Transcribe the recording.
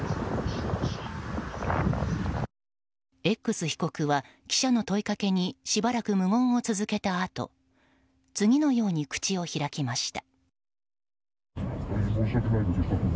Ｘ被告は、記者の問いかけにしばらく無言を続けたあと次のように口を開きました。